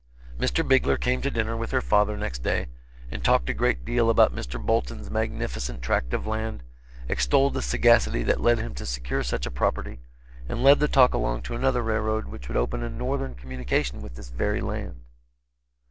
Mr. Bigler came to dinner with her father next day, and talked a great deal about Mr. Bolton's magnificent tract of land, extolled the sagacity that led him to secure such a property, and led the talk along to another railroad which would open a northern communication to this very land.